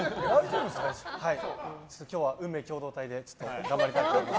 今日は運命共同体で頑張りたいと思います。